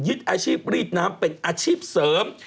อาชีพรีดน้ำเป็นอาชีพเสริม